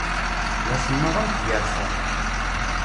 D asemmaḍ am tgersa.